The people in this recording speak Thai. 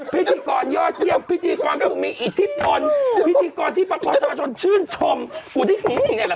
พิธีกรยอดเยี่ยมพิธีกรมีอิทธิพล